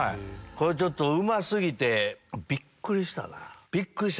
これうま過ぎてびっくりしたな。